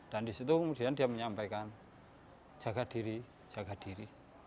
dan di situ kemudian dia menyampaikan jaga diri jaga diri